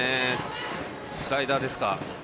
スライダーですか。